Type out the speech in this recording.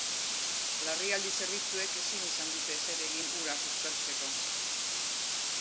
Larrialdi-zerbitzuek ezin izan dute ezer egin hura suspertzeko.